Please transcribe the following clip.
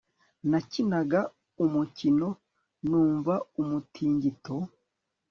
Nakinaga umukino numva umutingito